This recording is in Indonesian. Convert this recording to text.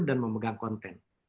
dan memegang konten